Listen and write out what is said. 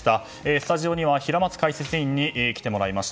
スタジオには平松解説委員に来てもらいました。